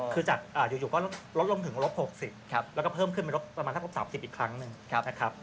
คือจากอยู่ก็ลดลงถึงลบ๖๐แล้วก็เพิ่มขึ้นไปลบประมาณถ้าครบ๓๐อีกครั้งหนึ่งนะครับ